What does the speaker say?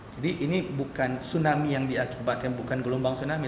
jadi ini bukan tsunami yang diakibatkan bukan gelombang tsunami